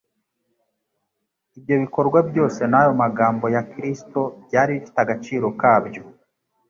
Ibyo bikorwa byose n'ayo magambo ya Kristo byari bifite agaciro kabyo,